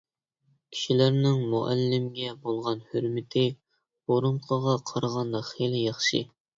كىشىلەرنىڭ مۇئەللىمگە بولغان ھۆرمىتى بۇرۇنقىغا قارىغاندا خېلى ياخشى.